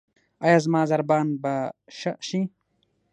ایا زما ضربان به ښه شي؟